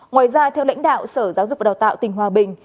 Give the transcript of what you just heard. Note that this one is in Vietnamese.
ngoài ra theo lãnh đạo sở giáo dục và đào tạo tỉnh hòa bình